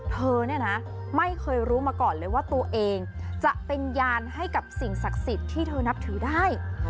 เธอเนี่ยนะไม่เคยรู้มาก่อนเลยว่าตัวเองจะเป็นยานให้กับสิ่งศักดิ์สิทธิ์ที่เธอนับถือได้